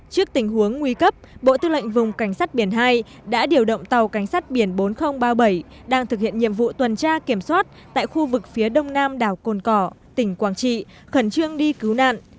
trước tình huống nguy cấp bộ tư lệnh vùng cảnh sát biển hai đã điều động tàu cảnh sát biển bốn nghìn ba mươi bảy đang thực hiện nhiệm vụ tuần tra kiểm soát tại khu vực phía đông nam đảo cồn cỏ tỉnh quảng trị khẩn trương đi cứu nạn